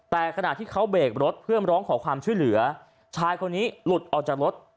แต่ขณะที่เขาเบรกรถเพื่อมาร้องขอความช่วยเหลือชายคนนี้หลุดออกจากรถ